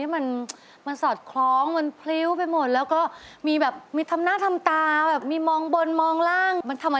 แข็งแรงมากครับครับ